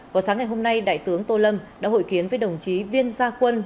vào sáng ngày hôm nay đại tướng tô lâm đã hội kiến với đồng chí viên gia quân